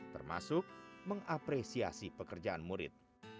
termasuk mengapresiasi pekerjaan murid